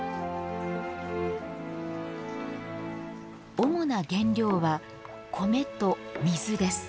主な原料は米と水です。